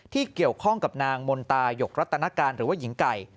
ที่เกี่ยวข้องกับนางมนตายกรัตนการหรือว่าหญิงไก่